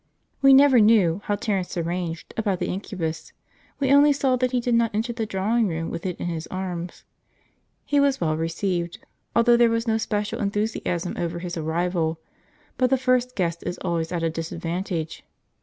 We never knew how Terence arranged about the incubus; we only saw that he did not enter the drawing room with it in his arms. He was well received, although there was no special enthusiasm over his arrival; but the first guest is always at a disadvantage.